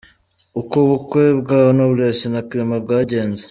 Uko ubukwe bwa Knowless na Clement bwagenze.